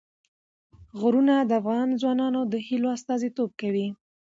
غرونه د افغان ځوانانو د هیلو استازیتوب کوي.